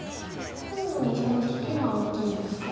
今度のこの切りは大きいんですか。